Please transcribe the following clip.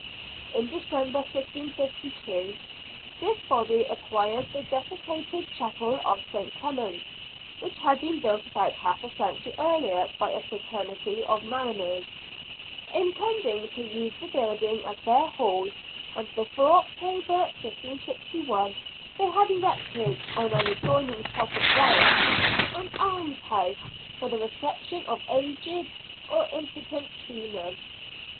in December, 1552, this body acquired the desecrated Chapel of St. Clement (which had been built about half a century •earlier by a fraternity of mariners), intending to use the building as their hall, and before October, 1561, they had erected, on an adjoining plot of ground, an almshouse for the for the reception of aged or impotent seamen.